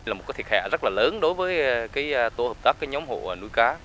là một thiệt hại rất là lớn đối với tổ hợp tác nhóm hộ nuôi cá